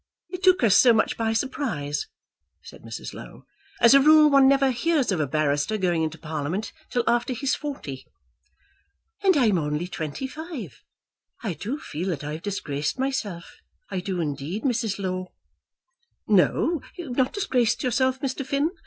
"It took us so much by surprise!" said Mrs. Low. "As a rule one never hears of a barrister going into Parliament till after he's forty." "And I'm only twenty five. I do feel that I've disgraced myself. I do, indeed, Mrs. Low." "No; you've not disgraced yourself, Mr. Finn.